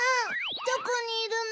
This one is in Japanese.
どこにいるの？